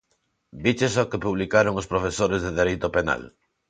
Viches o que publicaron os profesores de dereito penal?